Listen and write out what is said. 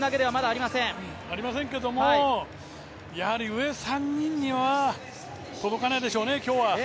ありませんけども、やはり上３人には届かないでしょうね、今日は。